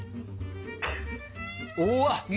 おわっ！